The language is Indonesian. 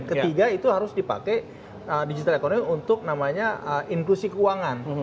ketiga itu harus dipakai digital economy untuk namanya inklusi keuangan